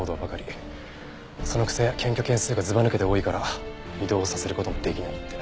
そのくせ検挙件数がずばぬけて多いから異動させる事もできないって。